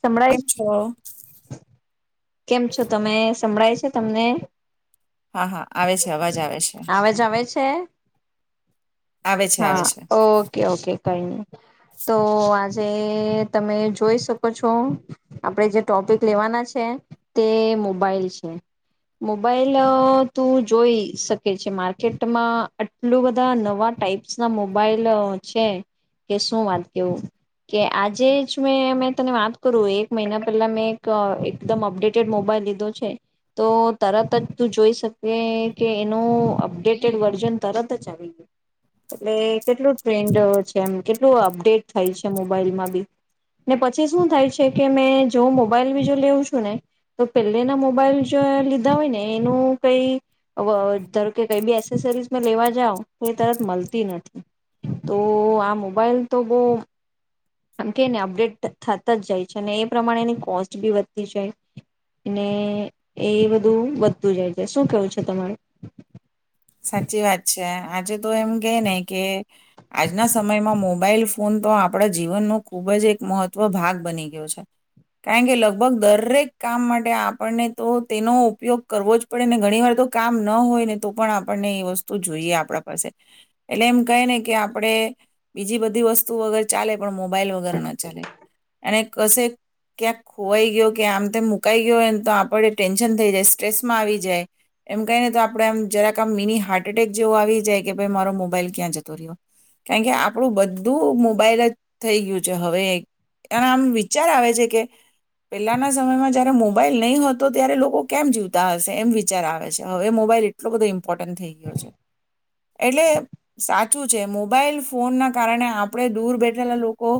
સંભળાય કેમ છો? કેમ છો તમે? સંભળાય છે તમને. હા હા આવે છે અવાજ આવે છે આવાજ આવે છે આવે છે આવે હા છે. ઓકે ઓકે કઈ ન તો આજે તમે જોઈ શકો છો આપણે જે ટોપિક લેવાના છે તે મોબાઈલ છે. મોબાઈલ અ તું જોઈ શકે છે માર્કેટમાં આટલું બધા નવા ટાઈપ્સ ના મોબાઈલ અ છે કે શું વાત કેું કે આજે જ મેં મે તને વાત કરું એક મહિના પહેલા મેં એક અ એકદમ અપડેટેડ મોબાઈલ લીધો છે તો તરત જ તું જોઈ શકી કે એનું અપડેટેડ વર્ઝન તરત જ આવી ગયું એટલે કેટલું ટ્રેન્ડ છે એમ કેટલું અપડેટ થાય છે. મોબાઈલમાં બી ને પછી શું થાય છે કે મેં, જો મોબાઈલ બીજો લેવુંશ ને તો પેલેના મોબાઈલ જો લીધા હોય ને, એનું કઈ વ ધારકે કઈ બી એસેસરીઝ લેવા જાવ તો, એ તરત મળતી નથી તો આ મોબાઈલ તો બહ આમ કેને અપડેટ થતા જ જાય છે અને એ પ્રમાણે એની કોસ્ટ બી વધતી જાય ને એ બધું વધતું જાય છે. શું કેવું છે તમારું? સાચી વાત છે આજે તો એમ કે ને કે આજના સમયમાં મોબાઈલ ફોન તો આપણા જીવનનો ખુબ જ એક મહત્વ ભાગ બની ગયો છે કારણ કે લગભગ દરેક કામ માટે આપણને તો તેનો ઉપયોગ કરવો જ પડે ને ઘણી વાર તો કામ ન હોય ને તો પણ આપણને એ વસ્તુ જોઈએ આપણા પાસે એટલે એમ કહે ને કે આપણે બીજી બધી વસ્તુ વગર ચાલે પણ મોબાઈલ વગર ના ચાલે અને કશે ક્યાંક ખોવાઈ ગયો કે આમતે મુકાઈ ગયો હોય ને તો આપણે ટેન્શન થઈ જાય સ્ટ્રેસમાં આવી જાય એમ કઈ ને તો આપણે આમ જરાક આમ મિની હાર્ટ એટેક જેવો આવી જાય કે ભાઈ મારો મોબાઈલ ક્યાં જતો રહ્યો કારણ કે આપણું બધું મોબાઈલ જ થઈ ગયું છે હવે એના આમ વિચાર આવે છે કે પહેલાના સમયમાં જયારે મોબાઈલ નહીં હોતો ત્યારે લોકો કેમ જીવતા હશે એમ વિચાર આવે છે હવે મોબાઈલ એટલો બધો ઇમ્પોર્ટન્ટ થઈ ગયો છે એટલે સાચું છે મોબાઈલ ફોનના કારણે આપણે દૂર બેઠેલા લોકો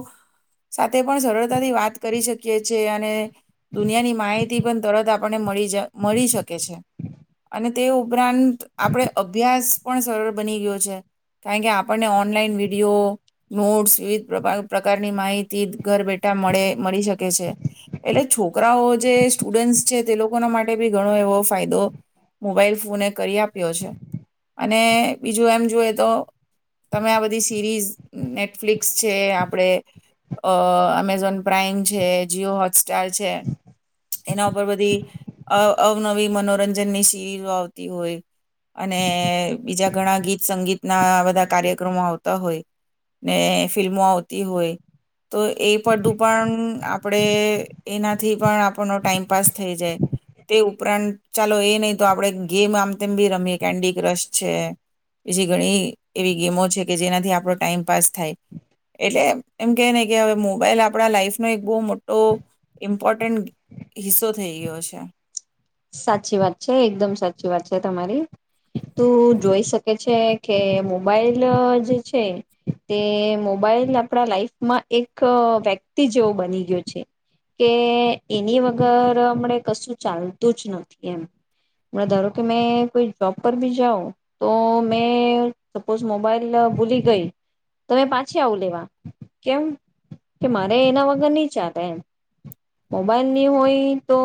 સાથે પણ સરળતાથી વાત કરી શકીએ છીએ અને દુનિયાની માઈ થી પણ તરત આપણને મળી [unintelligible] મળી શકે છે. અને તે ઉપરાંત આપણે અભ્યાસ પણ સરળ બની ગયો છે. કારણ કે આપણને ઓનલાઈન વિડીયો નોટ્સ વિવિધ પ્રકારની માહિતી ઘર બેઠા મળે મળી શકે છે. એટલે છોકરાઓ જે સ્ટુડન્ટસ છે, તે લોકોના માટે બી ઘણો એવો ફાયદો મોબાઈલ ફોન એ કરી આપ્યો છે. અને બીજું એમ જોઈ તો તમે આ બધી સિરીઝ નેટફ્લિક્સ છે, આપણે અમેઝોન પ્રાાઈમ છે, જીઓ હોટસ્ટાર છે, એના ઉપર બધી અવનવી મનોરંજનની સિરીઝો આવતી. તી હોય. અને બીજા ઘણા ગીત સંગીતના બધા કાર્યક્રમો આવતા હોય, ને ફિલ્મો આવતી હોય, તો એ બધું પણ આપણે એનાથી પણ આપણનો ટાઈમપાસ થઈ જાય. તે ઉપરાંત ચાલો એ નહિ તો આપણે ગેમ આમ તેમ બી રમીએ કેન્ડી ક્રશ છે. બીજી ઘણી એવી ગેમો છે કે જેનાથી આપણો ટાઈમ પાાસ થાય. એટલે એમ કહે ને કે હવે મોબાઈલ આપણા લાઈફનો એક બહુ મોટો ઇમ્પોર્ટન્ટ હિસ્સો થઈ ગયો છે. સાચી વાત છે. એકદમ સાચી વાત છે તમારી. તું જોઈ શકે છે કે મોબાઈલ જે છે, તે મોબાઈલ આપડા લાઈફમાં એક વ્યક્તિ જેવો બની ગયો છે, કે એની વગર હમણે કશું ચાલ [unintelligible] નથી એમ. ધારો કે મે કોઈ જોબ પર બી જાઉં, તો મેં સપોઝ મોબાઈલ ભૂલી ગઈ તમે પાછી આવું લેવા કેમ? કે મારે એના વગર નહી ચાલે. એમ મોબાઈલ નહી હોય તો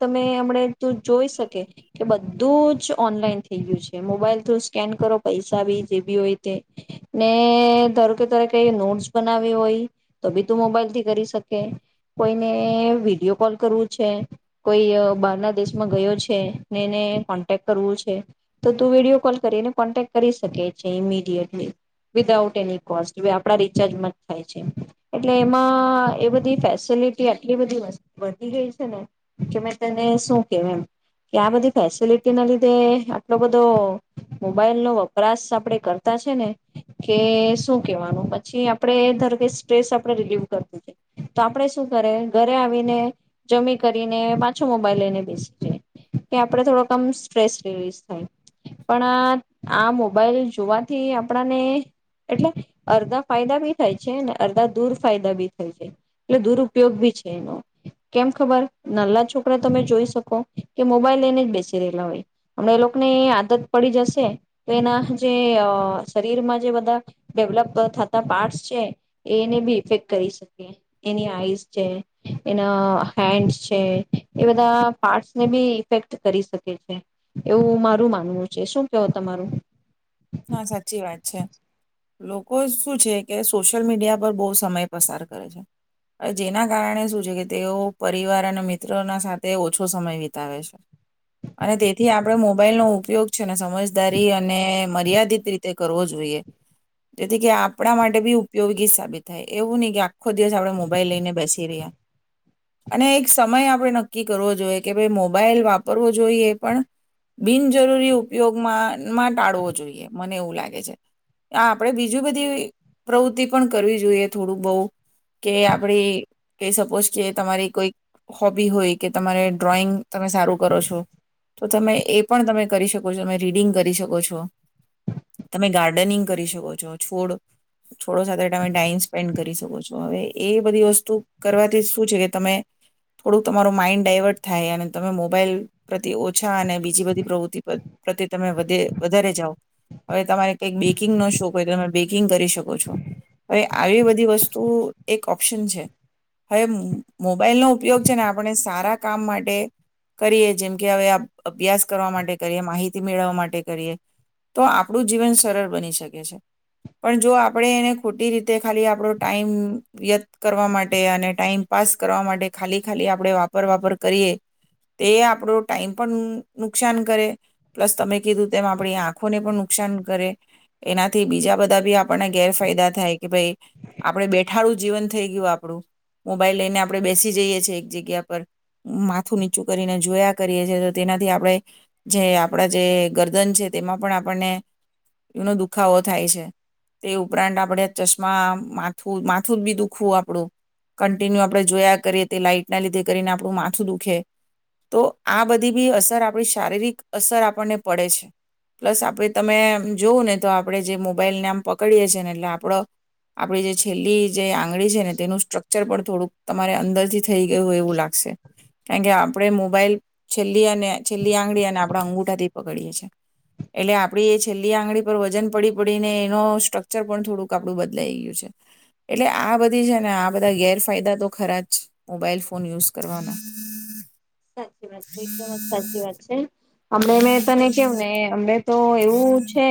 તમે હમ જોઈ શકે કે બધું જ ઓનલાઈન થઈ ગયું છે. મોબાઈલ થુ સ્કેન કરો પૈસા બી જે બી હોય તે ને ધારો કે તરે કઈ નોટસ બનાવ હોય તો બી તું મોબાઈલથી કરી શકે. કોઈને વિડીયો કોલ કરવું છે કોઈ બાર દેશમાં ગયો છે ને એને કોન્ટેક કરવું છે. તો તું વિડીિયો કોલ કરીને કોન્ટેક કરી શકે છે ઈમિડિયટલી વિદાઉટ એની કોસ્ટ આપણા રિચાર્જમાં જ થાય છે. એટલે એમાં એ બધી ફેસિલિટી આટલી બધી વધી ગઈ છે ને કે મેં તને શું કેમ કે, આ બધી ફેસિલિટી ના લીધે આટલો બધો મોબાઈલ નો વપરાશ આપડે કરતા છે ને, કે શું કેવાનું પછી આપડે ધાર કે સ્ટ્રેસ આપણે રિલીવ કરતું છે. તો આપડે શું કરે ઘરે આવીને જમી કરીને પાછો મોબાઈલ લઈને બેસી જે કે આપણે થોડોકમ સ્ટ્રેસ રિલીઝ થાય પણ આ આ મોબાઈલ જોવાથી આપણાને એટલે અર્ધા ફાયદા બી થાય છે ને અર્ધા દુર ફાયદા બી થાય છે એટલે દુરપયોગ બી છે એનો. કેમ ખબર નલા છોકરા તમે જોઈ શકો કે મોબાઈલ લઈને જ બેસી રહેલા હોય. હમણા એ લોકોને આદત પડી જશે તો એના જે શરીરમાં જે બધા ડેવલપ થતા પાર્ટસ છે એને બી ઇફેક્ટ કરી શકે. એની આઈસ છે, એના હેન્ડ છે એ બધા પાર્ટ ને બી ઇફેક્ટ કરી શકે છે. એવું મારું માનવું છે. શું કેવો તમારું? હા સાચી વાત છે. લોકો શું છે કે સોશિયલ મીડિયા પર બહુ સમય પસાર કરે છે. જેના કારણે શું છે કે તેઓ પરિવાર અને મિત્રોના સાથે ઓછો સમય વિતાવે છે. અને તેથી આપણે મોબાઈલનો ઉપયોગ છે ને સમજદારી અને મર્યાદિત રીતે કરવો જોઈએ. જેથી કે આપણા માટે બી ઉપયોગી સાબિત થાય એવું નહી કે આખો દિવસ આપણે મોબાઈલ લઈને બેસી રહ્યા. અને એક સમય આપણે નક્કી કરવો જોઈએ કે ભાઈ મોબાઈલ વાપરવો જોઈએ પણ બિનજરૂરી ઉપયોગમાં ટાળવો જોઈ. જોઈએ. મને એવું લાગે છે. આ આપે બીજી બધી પ્રવૃતિ પણ કરવી જોઈએ થોડું બઉ કે આપડી કઈ સપોઝ કે તમારી કોઈ હોબી હોય કે તમારે ડ્રોઈંગ તમે સારું કરો છો. તો તમે એ પણ તમે કરી શકો છો. તમે રીડિંગ કરી શકો છો. તમે ગાર્ડનિંગ કરી શકો છો. છોડ છોડો સાથે તમે ટાઈમ સ્પેન્ડ કરી શકો છો. હવે એ બધી વસ્તુ કરવાથી જ શું છે કે તમે થોડુંક તમારું માઈન્ડ ડાયવર્ટ થાય અને તમે મોબાઈલ પ્રતતિ ઓછા અને બીજી બધી પ્રવૃત્તિ પ્રતે તમે વધે વધારે જાઓ. હવે તમારે કઈક બેકિંગનોો શોખ હોય તો તમે બેકિંગ કરી શકો છો. હવે આવી બધી વસ્તુ એક ઓપ્શન છે. હવે મોબાઈલનોો ઉપયોગ છે ને આપણે સારા કામ માટે કરીએ જેમ કે હવે અભ્યાસ કરવા માટે કરીએ માહિતી મેળવવા માટે કરીએ. તો આપણું જીવન સરળ બની શકે છે. પણ જો આપણે એને ખોટી રીતે ખાલી આપણો ટાઈમ વ્યત કરવા માટે અને ટાઈમ પાસ કરવા માટે ખાલી ખાલી આપણે વાપર વાપર કરીએ તે આપણો ટાઈમ પણ નુકસાન કરે, પ્લસ તમે કીધું તેમ આપણી આં આખોને પણ નુકસાન કરે. એનાથી બીજા બધા બી આપણને ગેરફાયદા થાય કે ભાઈ આપણે બેઠાડું જીવન થઈ ગયું આપણું મોબાઈલ લઈને આપણે બેસી જઈએ છી એક જગ્યા પર, માથું નીચું કરીને જોયા કરીએ છીએ તો તેનાથી આપણે જે આપણા જે ગરદન તેમાં પણ આપણને એનો દુખાવો થાય છે. તે ઉપરાંત આપણે ચશ્મા માથું માથું બી દુખવું આપણું, કન્ટિન્યુ આપણે જોયા કરીએ તે લાાઈટના લીધે કરીને આપણું માથું દુખે. તો આ બધી બી અસર આપણી શારીરિક અસર આપણને પડે છે. પ્લસ આપણે તમે જોવં ને તો આપણે જે મોબાઈલને આમ પકડીએ છી ને એટલે આપડ આપણી જે છેલ્લી જે આંગળી છે ને તેનું સ્ટ્રક્ચર પણ થોડુંક તમારે અંદરથી થઈ ગયું હોય એવું લાગશે. કારણ કે આપણે મોબાઈલ છેલ્લી અને છેલ્લી આંગળી અને આપણા અંગુઠાથી પકડીએ છીએ. એટલે આપડી એ છેલ્લી આંગળી પર વજન પડી પડીને એનો સ્ટ્રક્ચર પણ થોડુંક આપણું બદલાઈ ગયું છે. એટલે આ બધી છે ને આ બધા ગેરફાયદા તો ખરા જ મોબાઈલ ફોન યુઝ કરવાના. સાચી વાત છે. એકદમ જ સાચી વાત છે. અમડે મેં તને કેવું ને અમે તો એવું છે.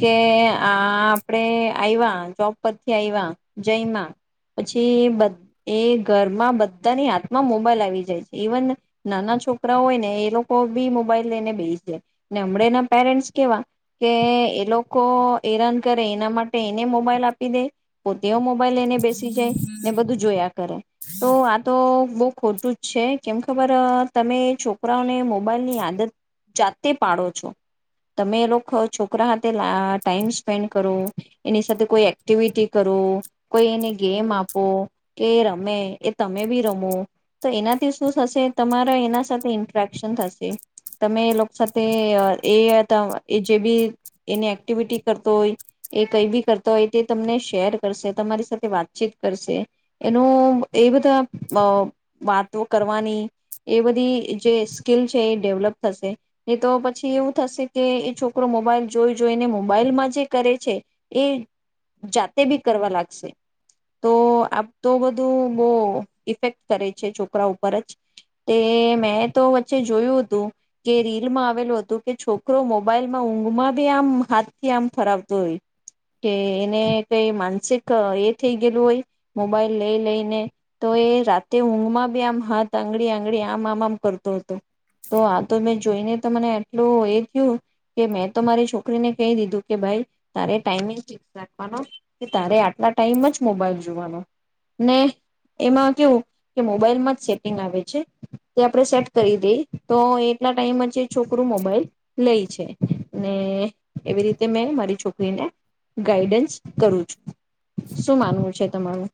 કે આ આપડે આવ્યા જોબ પરથી આવ્યા જઈમાં પછી એ ઘરમાં બધાની હાથમાં મોબાઈલ આવી જાય. છ ઈવન નાના છોકરા હોય ને એ લોકો બી મોબાઈલ લઈને બેહી જાય. હમણાના પેરેન્ટ્સ કેવા કે એ લોકો હેરાન કરે એના માટે એને મોબાઈલ આપી દે. [unintelligible] મોબાઇલ લઈને બેસી જાય ને બધું જોયા કરે. તો આ તો બ ખોટું જ છે. કેમ ખબર તમે છોકરાઓને મોબાઈલની આદત જાતે પાડો છો. તમે એ લોકો છોકરા હાથે લ ટાઈમ સ્પેન્ડ કરો, એની સાથે કોઈ એક્ટિવિટી કરો, કોઈ એને ગેમ આપો, કે રમે એ તમે બી રમો તો એનાથી શું થશે તમારા એના સાથે ઇન્ટરેક્શન થશે. તમે એ લોકો સાથે એ જે બી એની એક્ટિવિટી કરતો હોય એ કઈ બી કરતો હોય તે તમને શેર કરશે તમારી સાથે વાતચીત કરશે એનું એ બધા વાતો કરવાની એ બધી જે સ્કીિલ છે એ ડેવલપ થશે. તો પછી એવું થશે કે એ છોકરો મોબાઈલ જોઈ જોઈને મોબાઈલમાં જે કરે છે એ જાતે બી કરવા લાગશે. તો આ તો બધું બહુ ઇફેક્ટ કરે છે છોકરા ઉપર. [unintelligible] મેં તો વચ્ચે જોયું હતું કે રીલમાં આવેલું હતું કે છોકરો મોબાઈલમાં ઊંઘમાં બી આમ હાથ થી આમ ફરાવતો હોય, કે એને કઈ માનસિક એ થઈ ગયેલું હોય મોબાઈલ લઈ લઈને તો એ રાતે ઊંઘમાં બી એમ હાથ આંગળી આંગળી આમ આમ આમ કરતો હતો. તો આ તો મેં જોઈને તો મને આટલું એ થયું કે મેં તો મારી છોકરીને કહી દીધું કે ભાઈ તારે ટાઈમિંગ ફિક્સ રાખવાનો કે તારે આટલા ટાઈમ જ મોબાઈલ જોવાનો. ને એમાં કેવું કે મોબાઈલમાં જે એ આવે છે તે આપણે સેટ કરી દઈ તો એટલા ટાઈમ છોકરું મોબાઈલ લઈ છે, ને એવી રીતે મેં મારી છોકરીને ગાઈડન્સ કરું છું. શું માનવું છે? શે તમારું?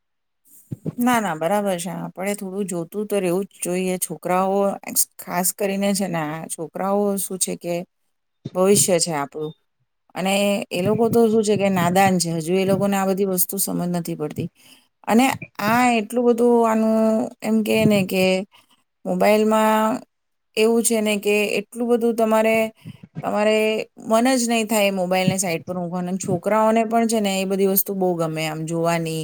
ના ના બરાબર છે. આપણે થોડું જોતું તો રહેવું જ જોઈએ છોકરાઓ ખાસ કરીને છેને છોકરાઓ શું છે કે ભવિષ્ય છે આપણું, અને એ લોકો તો શું છે કે નાદાન છે હજુ એ લોકોને આ બધી વસ્તુ સમજ નથી પડતી. અને હા એટલું બધું આનું એમ કે ને કે મોબાઈલમાં એવું છે ને કે એટલું બધું તમારે તમારે મન જ નહી થાય મોબાઈલને સાઈડ પર હું છોકરાઓને પણ છે ને એ બધી વસ્તુ બહુ ગમે આમ જોવાની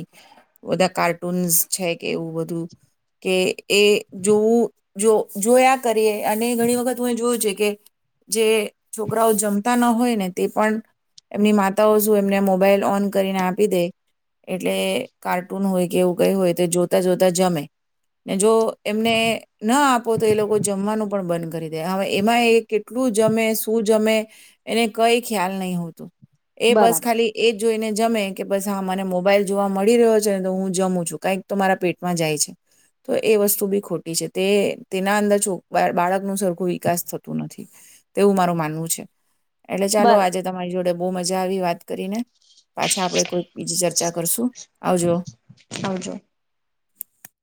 બધા કાર ્ટૂસ છે કે એવું બધું કે એ જોવું જો જોયા કરીએ અને ઘણી વખત હું જોયું છે કે જે છોકરાઓ જમતા ન હોય ને તે પણ એમની માતાઓ શું એમને મોબાઈલ ઓન કરીને આપી દે એટલે કાર્ટૂન હોય કે એવું ગઈ હોય તે જોતા જોતા જમે ને જો એમને ન આપ તો એ લોકો જમવાનું પણ બંધ કરી દે હવે એમાં એ કેટલું જમે શું જમે એને કઈ ખ્યાલ નહી હોતું એ બસ બરાબર ખાલી એજ જોઈને જમે કે બસ હા માને મોબાઈલ જોવા મળી રહ્યો છેને તો હું જમું છ કઈક તો મારા પેટમાં જાય છે તો એ વસ્તુ બી ખોટી છે તે તેના અંદરો બાળક ન સરખું વિકાસ થતું નથી તેવું મારું માનવું છે એટલે ચાલો બર આજે તમારી જોડે બહુ મજા આવી વાત કરીને પાછા આપડે કોઈક બીજી ચર્ચા કરશું આવજો આવજો